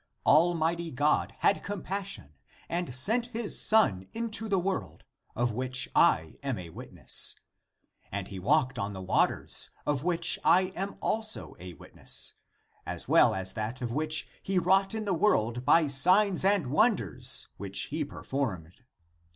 Almighty God had compassion and sent his Son into the world, of which I am a witness. And he walked on the wa ters, of which I am also a witness as well as of that which he wrought in the world by signs and won ders which he performed.